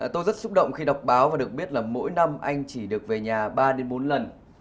tôi rất xúc động khi đọc báo và được biết là mỗi năm anh chỉ được về nhà ba bốn lần